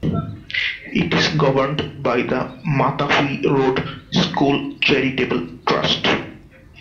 It is governed by the Matahui Road School Charitable Trust.